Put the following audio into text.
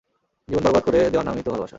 জীবন বরবাদ করে দেওয়ার নামইতো ভালোবাসা।